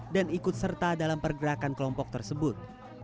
dan ikut serta dalam pergerakan kelompok tersebut